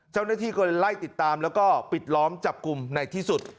เจ้าหน้าที่ก็เลยไล่ติดตามแล้วก็ปิดล้อมจับกลุ่มในที่สุด